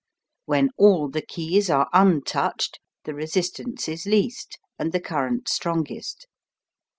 When all the keys are untouched the resistance is least and the current strongest.